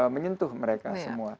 menyentuh mereka semua